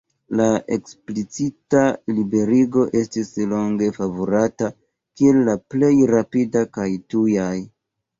La eksplicita liberigo estis longe favorata, kiel la plej rapida kaj tuja.